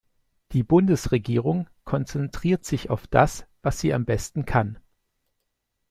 Die Bundesregierung konzentriert sich auf das, was sie am besten kann.